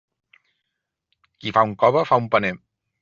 Qui fa un cove, fa un paner.